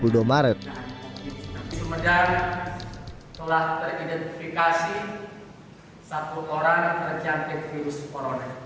di sumedang telah teridentifikasi satu orang terjangkit virus corona